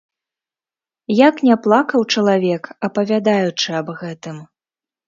Як не плакаў чалавек, апавядаючы аб гэтым!